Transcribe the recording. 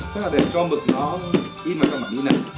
chắc là để cho mực nó in vào trong bản in này